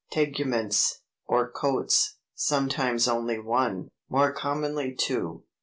TEGUMENTS, or coats, sometimes only one, more commonly two.